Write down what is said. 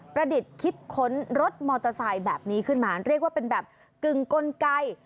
ประดิษฐ์คิดค้นรถมอเตอร์ไซค์แบบนี้ขึ้นมาเรียกว่าเป็นแบบกึ่งกลไก